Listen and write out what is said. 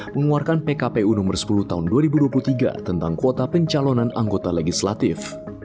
mengeluarkan pkpu nomor sepuluh tahun dua ribu dua puluh tiga tentang kuota pencalonan anggota legislatif